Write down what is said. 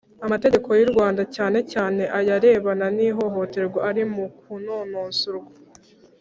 amategeko y’u rwanda cyane cyane ayarebana n’ihohoterwa ari mu kunonosorwa;